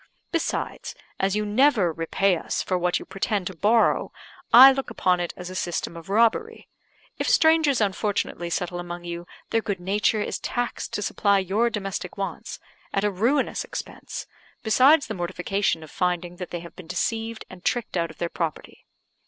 Besides, as you never repay us for what you pretend to borrow, I look upon it as a system of robbery. If strangers unfortunately settle among you, their good nature is taxed to supply your domestic wants, at a ruinous expense, besides the mortification of finding that they have been deceived and tricked out of their property.